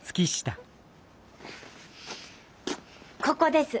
ここです。